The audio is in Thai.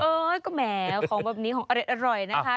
เออมีแมวของแบบนี้พออรับอร่อยนะคะ